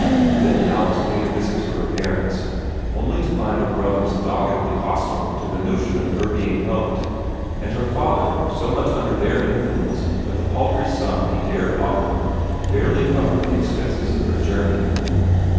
Then Alice paid a visit to her parents, only to find her brothers doggedly hostile to the notion of her being helped, and her father so much under their influence that the paltry sum he dared offer barely covered the expenses of her journey.